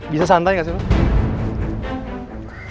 bisa santai ya